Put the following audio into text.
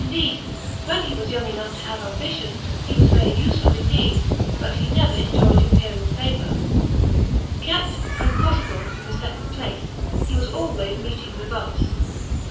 DEATH OF T1BEKIU8 211 and when he was young enough to have ambition, he was nWe use of indeed, but he never enjoyed Imperial favour. Kept, when possible, in the second place, he was always meeting rebuffs.